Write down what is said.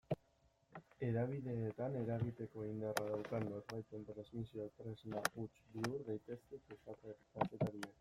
Hedabideetan eragiteko indarra daukan norbaiten transmisio-tresna huts bihur daitezke kazetariak.